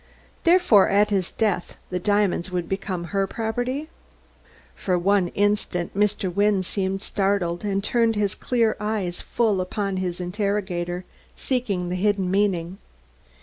"Therefore, at his death, the diamonds would become her property?" For one instant Mr. Wynne seemed startled, and turned his clear eyes full upon his interrogator, seeking the hidden meaning.